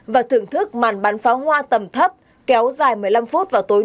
và thưởng thức màn bán pháo hoa tầm thấp kéo dài một mươi năm phút vào tối nội